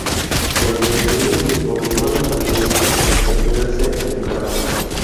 El despliegue obligó a los Sandinistas a retirarse a Nicaragua.